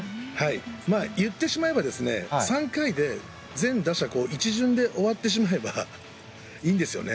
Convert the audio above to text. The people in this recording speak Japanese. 言ってしまえば３回で全打者１巡で終わってしまえばいいんですよね。